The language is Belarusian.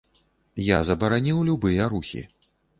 Я забараніў любыя рухі.